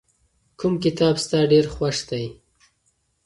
کوم کتاب ستا ډېر خوښ دی؟